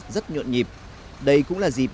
rất nhuận nhịp đây cũng là dịp